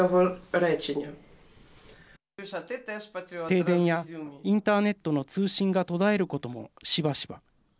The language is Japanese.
停電やインターネットの通信が途絶えることもしばしば。